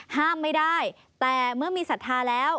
ห้ามไม่ได้แต่เมื่อมีศรัทธาแล้ว